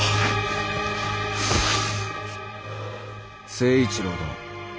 「成一郎殿。